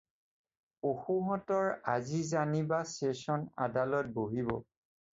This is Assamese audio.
পশুহঁতৰ আজি জানিবা ছেশ্যন আদালত বহিল।